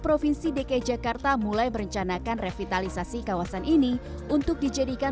provinsi dki jakarta mulai merencanakan revitalisasi kawasan ini untuk dijadikan